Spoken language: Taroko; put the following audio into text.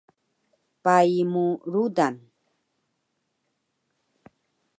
Pai mu rudan